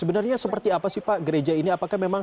sebenarnya seperti apa sih pak